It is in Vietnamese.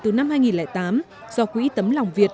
từ năm hai nghìn tám do quỹ tấm lòng việt